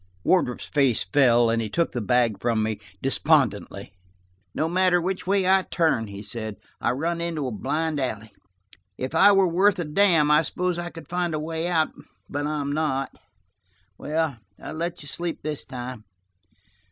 Wardrop's face fell, and he took the bag from me despondently. "No matter which way I turn," he said, "I run into a blind alley. If I were worth a damn, I suppose I could find a way out. But I'm not. Well, I'll let you sleep this time."